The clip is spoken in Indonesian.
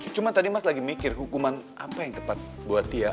cuma tadi mas lagi mikir hukuman apa yang tepat buat dia